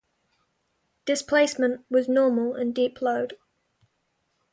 Displacement was normal and deep load.